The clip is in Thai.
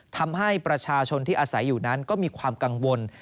ทำให้ประชาชนที่อาศัยอยู่นั้นก็มีความกังวล